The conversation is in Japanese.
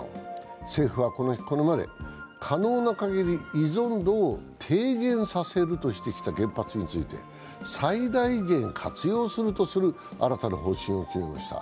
政府はこれまで可能な限り依存度を低減させるとしてきた原発について最大限活用するとする新たな方針を決めました。